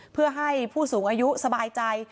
เพื่อให้ผู้สูงอายุสบายใจ